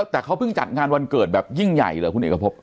แต่เขาเพิ่งจัดงานวันเกิดแบบยิ่งใหญ่เหรอคุณเอกพบ